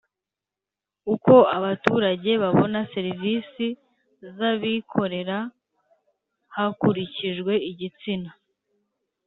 Uko abaturage babona serivisi z abikorera hakurikijwe igitsina